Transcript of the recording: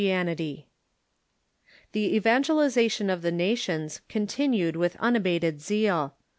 ] The evangelization of the nations continued with unabated zeal.